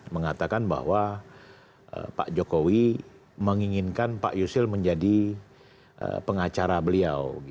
mengatakan bahwa pak jokowi menginginkan pak yusril menjadi pengacara beliau